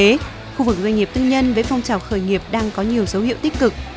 trong thời gian tới khu vực doanh nghiệp tương nhân với phong trào khởi nghiệp đang có nhiều dấu hiệu tích cực